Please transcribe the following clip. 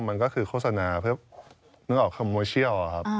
มันก็คือโฆษณาเพื่อนึกออกคำโมเชียลครับ